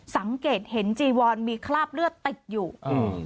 สังเกตเห็นจีวอนมีคราบเลือดติดอยู่อืม